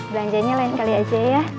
belanjanya lain kali aja ya